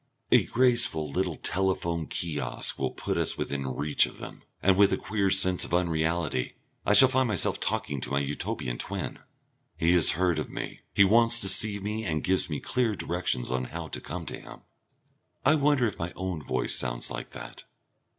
A graceful little telephone kiosk will put us within reach of them, and with a queer sense of unreality I shall find myself talking to my Utopian twin. He has heard of me, he wants to see me and he gives me clear directions how to come to him. I wonder if my own voice sounds like that.